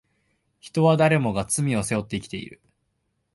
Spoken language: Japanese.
人は誰もが罪を背負って生きている